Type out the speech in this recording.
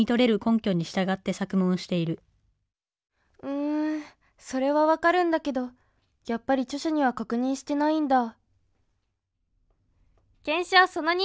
うんそれは分かるんだけどやっぱり著者には確認してないんだ